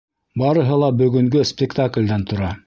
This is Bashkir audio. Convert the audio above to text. Барыһы ла бөгөнгө спектаклдән тора.